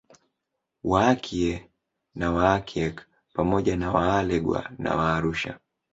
Waakie na Waakiek pamoja na Waalegwa na Waarusha